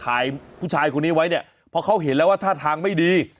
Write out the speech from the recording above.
ผู้ชายคนนี้ไว้เนี่ยเพราะเขาเห็นแล้วว่าท่าทางไม่ดี